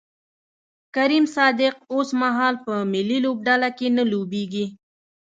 کریم صادق اوسمهال په ملي لوبډله کې نه لوبیږي